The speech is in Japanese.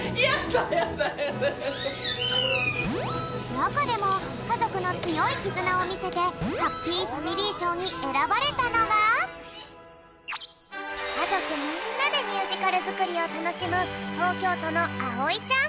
なかでもかぞくのつよいきずなをみせてハッピーファミリーしょうにえらばれたのがかぞくみんなでミュージカルづくりをたのしむとうきょうとのあおいちゃん。